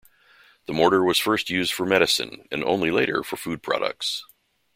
The mortar was first used for medicine, and only later for food products.